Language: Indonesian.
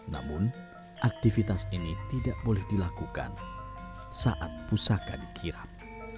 namun aktivitas ini tidak boleh dilakukan saat pusaka dikirap